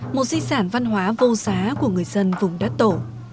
một di sản văn hóa vô giá của người dân vùng đất tổ